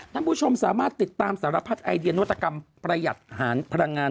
ท่านผู้ชมสามารถติดตามสารพัดไอเดียนวัตกรรมประหยัดหารพลังงาน